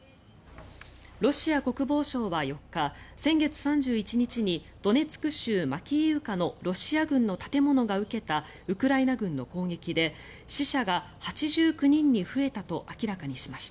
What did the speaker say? ロシア国防省は４日先月３１日にドネツク州マキイウカのロシア軍の建物が受けたウクライナ軍の攻撃で死者が８９人に増えたと明らかにしました。